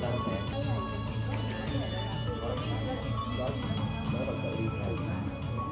ตามพร้อมเรื่องไหมฮะคุณท่าน